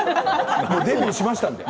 デビューしましたので。